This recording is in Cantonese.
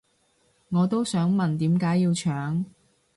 我都想問點解要搶